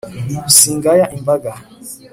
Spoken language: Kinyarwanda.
singaya imbaga